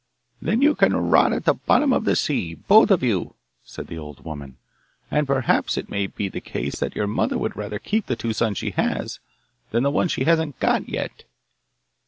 'Then you can rot at the bottom of the sea, both of you,' said the old woman; 'and perhaps it may be the case that your mother would rather keep the two sons she has than the one she hasn't got yet.